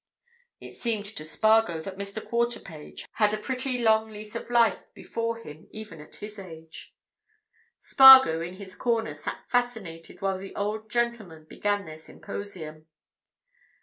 It seemed to Spargo that Mr. Quarterpage had a pretty long lease of life before him even at his age. Spargo, in his corner, sat fascinated while the old gentlemen began their symposium.